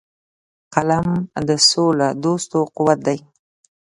قلم د سولهدوستو قوت دی